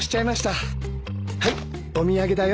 はいお土産だよ。